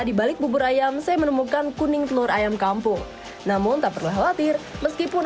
di balik bubur ayam saya menemukan kuning telur ayam kampung namun tak perlu khawatir meskipun